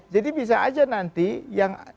bisa aja nanti yang